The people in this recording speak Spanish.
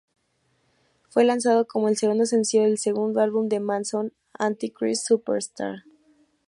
Fue lanzado como el segundo sencillo del segundo álbum de Manson, Antichrist Superstar.